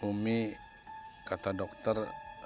umi kata dokter